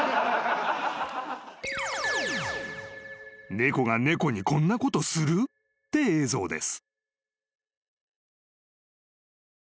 ［「猫が猫にこんなことする？」って映像です］